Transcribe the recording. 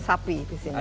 ada dua aspek